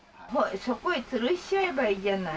そこへつるしちゃえばいいじゃない。